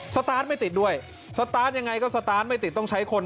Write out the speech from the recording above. สตาร์ทไม่ติดด้วยสตาร์ทยังไงก็ต้องใช้คน